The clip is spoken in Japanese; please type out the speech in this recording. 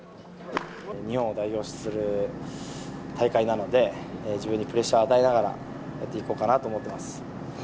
日本を代表する大会なので、自分にプレッシャーを与えながら、やっていこうかなと思ってます。